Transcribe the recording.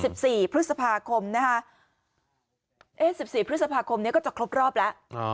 สิบสี่พฤษภาคมนะคะเอ๊ะสิบสี่พฤษภาคมเนี้ยก็จะครบรอบแล้ว